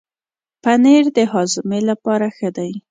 پنېر د هاضمې لپاره ښه دی.